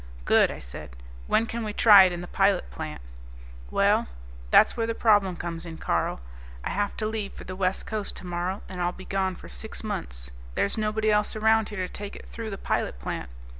"Good," I said. "When can we try it in the pilot plant." "Well, that's where the problem comes in, Carl. I have to leave for the West Coast tomorrow, and I'll be gone for six months. There's nobody else around here to take it through the pilot plant.